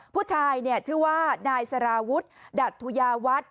ผู้ชายชื่อว่านายสารวุฒิดัทธุยาวัฒน์